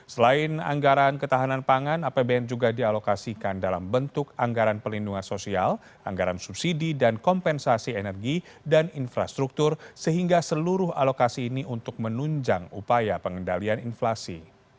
selain anggaran ketahanan pangan apbn juga dialokasikan dalam bentuk anggaran pelindungan sosial anggaran subsidi dan kompensasi energi dan infrastruktur sehingga seluruh alokasi ini untuk menunjang upaya pengendalian inflasi